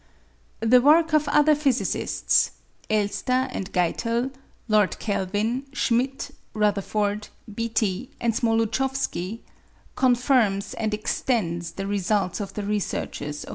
The work of other physicists (Elster and Geitel, Lord Kelvin, Schmidt, Rutherford, Beattie, and Smoluchowski) confirms and extends the results of the researches of M.